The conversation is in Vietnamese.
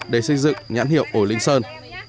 để xây dựng nhãn hiệu ổi linh sơn